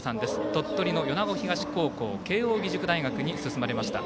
鳥取の米子東高校慶応義塾大学に進まれました。